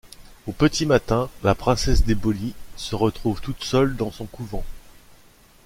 Au petit matin la princesse d'Eboli se retrouve toute seule dans son couvent.